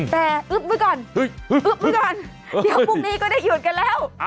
แต่อึ๊บไว้ก่อนอึ๊บไว้ก่อนเดี๋ยวพรุ่งนี้ก็ได้หยุดกันแล้ว